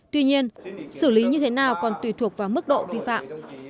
tuy nhiên xử lý như thế nào còn tùy thuộc vào mức độ vi phạm